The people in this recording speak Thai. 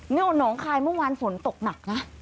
นี่หนองคายเมื่อวานฝนตกหนักนะ